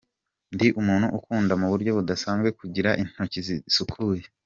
"Ndi umuntu ukunda mu buryo budasanzwe kugira intoki zisukuye.